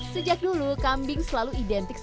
sejak dulu kambing selalu identifikasi